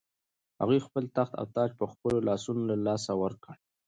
هغوی خپل تخت او تاج په خپلو لاسونو له لاسه ورکړ.